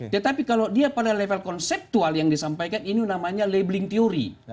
tetapi kalau dia pada level konseptual yang disampaikan ini namanya labeling teori